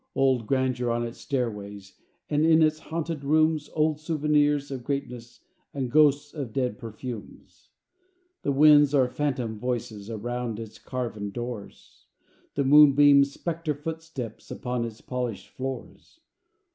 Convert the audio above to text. Old grandeur on its stairways; And in its haunted rooms Old souvenirs of greatness, And ghosts of dead perfumes. The winds are phantom voices Around its carven doors; The moonbeams, specter footsteps Upon its polished floors.